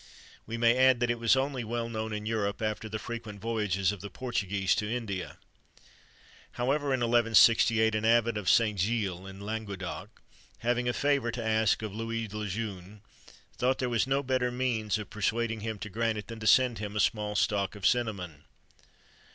[XXIII 77] We may add that it was only well known in Europe after the frequent voyages of the Portuguese to India.[XXIII 78] However, in 1168, an abbot of St. Gilles, in Languedoc, having a favour to ask of Louis le Jeune, thought there was no better means of persuading him to grant it than to send him a small stock of cinnamon.